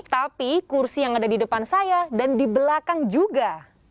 tapi kursi yang ada di depan saya dan di belakang juga